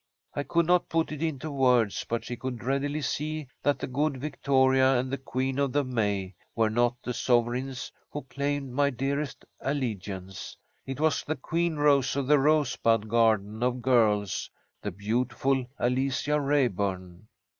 I could not put it into words, but she could readily see that the good Victoria and the queen of the May were not the sovereigns who claimed my dearest allegiance. It was the 'Queen Rose of the rosebud garden of girls,' the beautiful Alicia Raeburn.